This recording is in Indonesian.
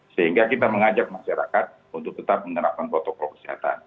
sehingga kita mengajak masyarakat untuk tetap menerapkan protokol kesehatan